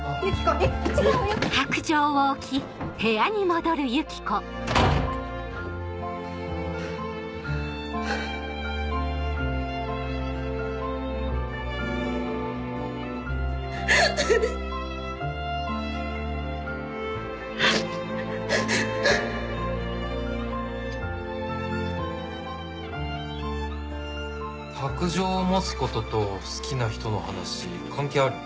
泣き声白杖を持つことと好きな人の話関係あるの？